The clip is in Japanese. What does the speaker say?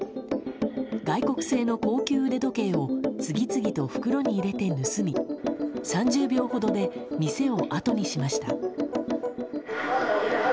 外国製の高級腕時計を次々と袋に入れて盗み３０秒ほどで店をあとにしました。